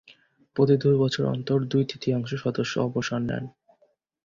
প্রতি দুই বছর অন্তর দুই-তৃতীয়াংশ সদস্য অবসর নেন।